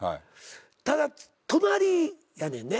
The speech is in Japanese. ただ隣やねんね。